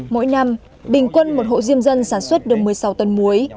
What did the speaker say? mỗi năm bình quân một hộ diêm dân sản xuất được một mươi sáu tấn muối